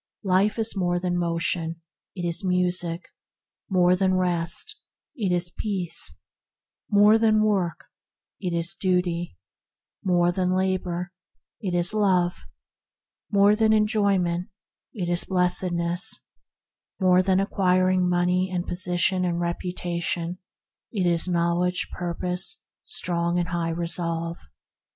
Life is more than motion, it is music; more than rest, it is Peace; more than work, it is Duty; more than labor, it is THE DIVINE CENTRE 87 Love; more than enjoyment, it is Blessed ness; more than acquiring money and posi tion and reputation, it is Knowledge, Pur pose,*strong and high Resolve.